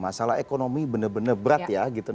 masalah ekonomi benar benar berat